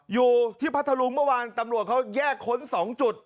พัทธรุงเมื่อวานตำรวจเขาแยกค้น๒จุด